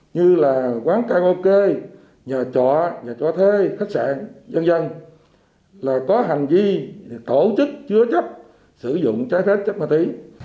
như quán karaoke nhà chọa nhà chọa thê khách sạn dân dân có hành vi tổ chức chứa chấp sử dụng trái phép chân ma túy